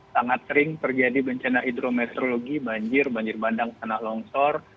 sangat sering terjadi bencana hidrometeorologi banjir banjir bandang tanah longsor